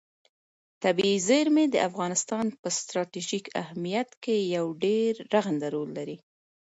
طبیعي زیرمې د افغانستان په ستراتیژیک اهمیت کې یو ډېر رغنده رول لري.